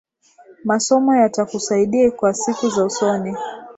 Masomo yatakusaidia kwa siku za usoni